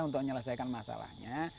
untuk menyelesaikan masalahnya